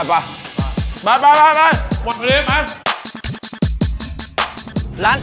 หมดไปเร็วมา